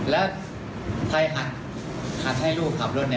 แล้วใครขัดขัดให้รูปขับรถเนี่ย